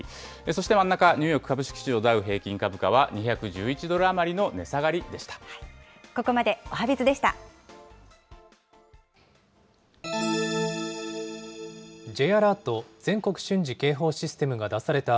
そして真ん中、ニューヨーク株式市場ダウ平均株価は、２１１ドル以上の値ここまでおはＢｉｚでした。